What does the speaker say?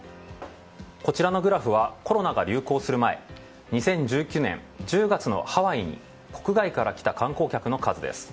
こちらのグラフはコロナが流行する前２０１９年１０月のハワイに国外から来た観光客の数です。